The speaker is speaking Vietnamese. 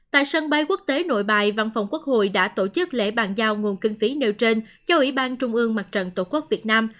tại sân bay quốc tế nội bài văn phòng quốc hội đã tổ chức lễ bàn giao nguồn kinh phí nêu trên cho ủy ban trung ương mặt trận tổ quốc việt nam